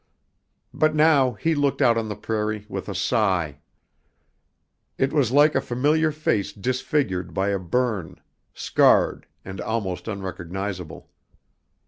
But now he looked out on the prairie with a sigh. It was like a familiar face disfigured by a burn, scarred and almost unrecognizable.